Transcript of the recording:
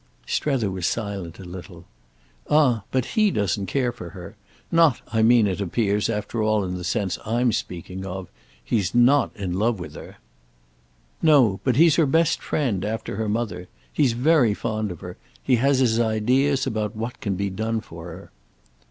Strether was silent a little. "Ah but he doesn't care for her—not, I mean, it appears, after all, in the sense I'm speaking of. He's not in love with her." "No—but he's her best friend; after her mother. He's very fond of her. He has his ideas about what can be done for her."